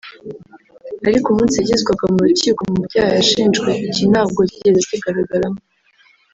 ariko umunsi yagezwaga mu rukiko mu byaha yashinjwe iki ntabwo kigeze kigaragaramo